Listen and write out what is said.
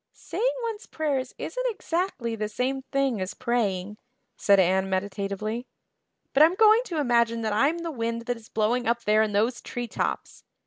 "Saying one's prayers isn't exactly the same thing as praying," said Anne meditatively. "But I'm going to imagine that I'm the wind that is blowing up there in those tree tops.